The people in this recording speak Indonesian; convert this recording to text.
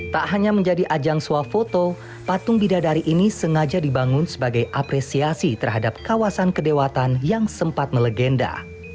tak hanya menjadi ajang suah foto patung bidadari ini sengaja dibangun sebagai apresiasi terhadap kawasan kedewatan yang sempat melegenda